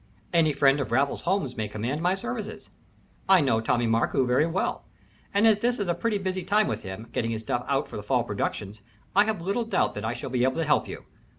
"Any friend of Raffles Holmes may command my services. I know Tommy Markoo very well, and as this is a pretty busy time with him, getting his stuff out for the fall productions, I have little doubt I shall be able to help you.